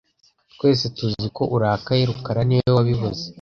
Twese taziko urakaye rukara niwe wabivuze